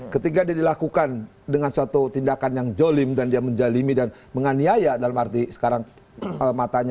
ketika dia dilakukan dengan suatu tindakan yang jolim dan dia menjalimi dan menganiaya dalam arti sekarang matanya